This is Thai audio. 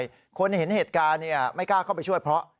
พี่คุยกับหนูดีพี่ทำรถหนูพังอ่ะ